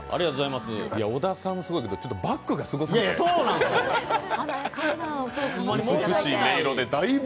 小田さんもすごいけどバックがすごすぎて、美しい音色で。